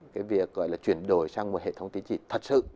cái việc gọi là chuyển đổi sang một hệ thống tiến chỉ thật sự